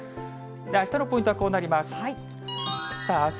あしたのポイントはこうなります。